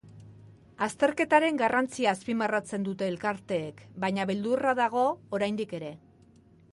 Azterketaren garrantzia azpimarratzen dute elkarteek, baina beldurra dago oraindik ere.